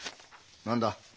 何だ？